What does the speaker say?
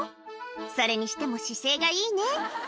それにしても姿勢がいいね